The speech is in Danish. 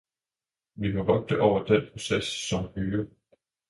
Vi må vogte over den proces som høge.